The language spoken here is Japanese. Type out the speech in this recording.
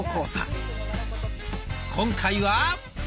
今回は。